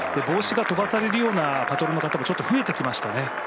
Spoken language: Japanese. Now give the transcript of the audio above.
帽子が飛ばされるようなパトロンの方もちょっと増えてきましたね。